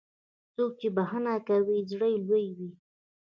څوک چې بښنه کوي، زړه یې لوی وي.